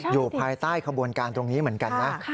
อยู่ภายใต้ขบวนการตรงนี้เหมือนกันนะ